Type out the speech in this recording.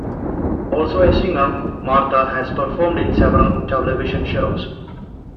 Also a singer, Marta has performed in several television shows.